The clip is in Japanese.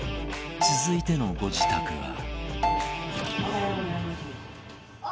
続いてのご自宅は。